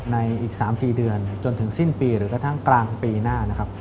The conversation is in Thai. ในอีก๓๔เดือนจนถึงสิ้นปีหรือกระทั่งกลางปีหน้านะครับ